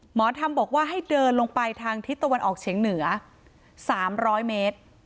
หมอธรรมบอกว่าให้เดินลงไปทางทิศตะวันออกเฉียงเหนือ๓๐๐เมตร